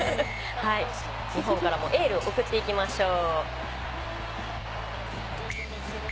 日本からもエールを送りましょう。